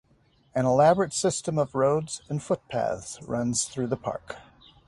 An elaborate system of roads and footpaths runs through the park.